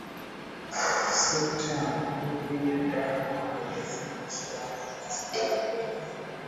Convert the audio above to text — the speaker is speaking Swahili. Sekta ya uvuvi bado haijawanufaisha Wazanzibari wengi